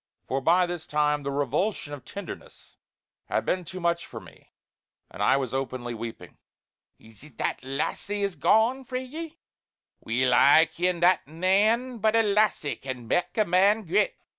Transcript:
for by this time the revulsion of tenderness had been too much for me and I was openly weeping. "Is it that the lassie is gone frae ye? Weel I ken that nane but a lassie can mak a strong man greet."